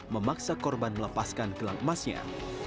memaksa korban melepaskan gelang emasnya